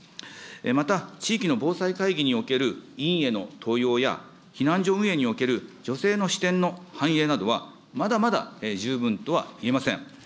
また、地域の防災会議における委員への登用や、避難所運営における女性の視点の反映などは、まだまだ十分とは言えません。